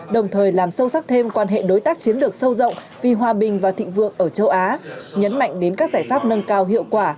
đồng thời làm sâu sắc thêm quan hệ đối tác chiến lược sâu rộng vì hòa bình và thịnh vượng ở châu á